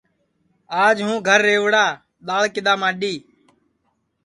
آج ہوں گھر رِوڑا دؔاݪ کِدؔا ماڈؔی